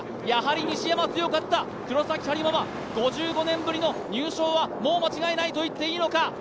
やはり西山は強かった、黒崎播磨は５５年ぶりの入賞はもう間違いないと言っていいのか。